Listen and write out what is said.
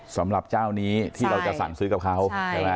สำหรับเจ้านี้ที่เราจะสั่งซื้อกับเขาใช่ไหม